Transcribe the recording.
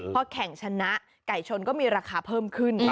พอแข่งชนะไก่ชนก็มีราคาเพิ่มขึ้น